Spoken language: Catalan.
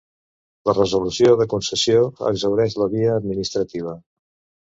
La resolució de concessió exhaureix la via administrativa.